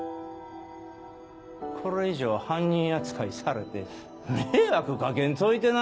これ以上犯人扱いされて迷惑掛けんといてな？